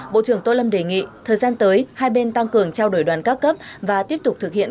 bộ trưởng tô lâm đề nghị thời gian tới hai bên tăng cường trao đổi đoàn các cấp và tiếp tục thực hiện